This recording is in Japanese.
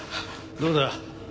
どうだ？